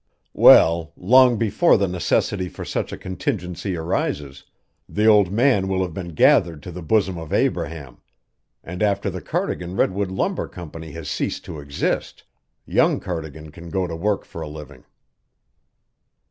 "Well, long before the necessity for such a contingency arises, the old man will have been gathered to the bosom of Abraham; and after the Cardigan Redwood Lumber Company has ceased to exist, young Cardigan can go to work for a living."